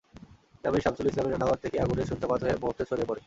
গ্রামের শামসুল ইসলামের রান্নাঘর থেকে আগুনের সূত্রপাত হয়ে মুহূর্তে ছড়িয়ে পড়ে।